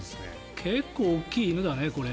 結構、大きい犬だね。